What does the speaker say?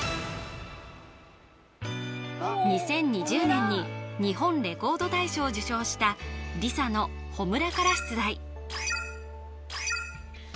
２０２０年に日本レコード大賞を受賞したＬｉＳＡの「炎」から出題